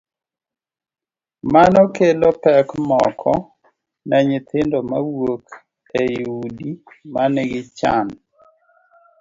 Mano kelo pek moko ne nyithindo mawuok e udi ma nigi chan: